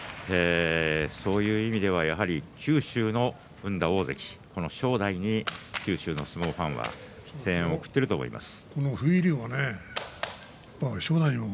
そういう意味では、やはり九州の生んだ大関、この正代に九州の相撲ファンは声援を送っていると思います。